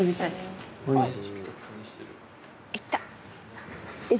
いった。